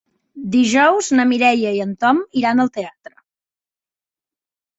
Dijous na Mireia i en Tom iran al teatre.